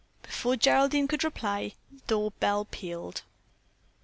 Before Geraldine could reply, the door bell pealed.